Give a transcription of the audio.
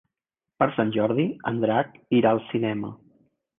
Per Sant Jordi en Drac irà al cinema.